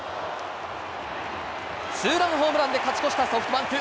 ツーランホームランで勝ち越したソフトバンク。